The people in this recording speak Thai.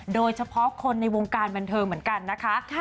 โดยเฉพาะคนในวงการบันเทิงเหมือนกันนะคะ